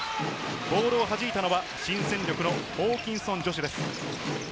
ボールをはじいたのは新戦力のホーキンソン・ジョシュです。